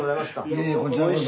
いえいえこちらこそ。